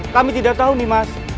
kami tidak tahu nih mas